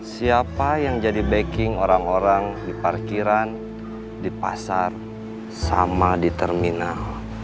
siapa yang jadi backing orang orang di parkiran di pasar sama di terminal